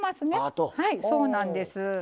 はいそうなんです。